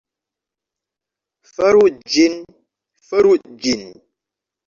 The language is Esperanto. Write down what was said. Faru ĝin. Faru ĝin.